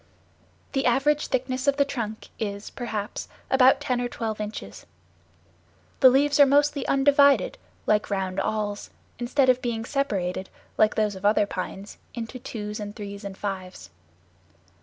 The average thickness of the trunk is, perhaps, about ten or twelve inches. The leaves are mostly undivided, like round awls, instead of being separated, like those of other pines, into twos and threes and fives.